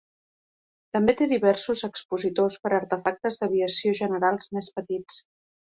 També té diversos expositors per artefactes d'aviació generals més petits.